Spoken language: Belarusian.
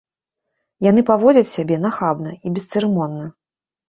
Яны паводзяць сябе нахабна і бесцырымонна.